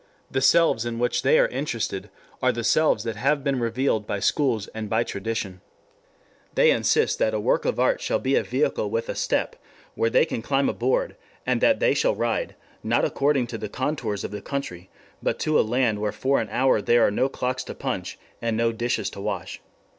The selves in which they are interested are the selves that have been revealed by schools and by tradition. They insist that a work of art shall be a vehicle with a step where they can climb aboard, and that they shall ride, not according to the contours of the country, but to a land where for an hour there are no clocks to punch and no dishes to wash.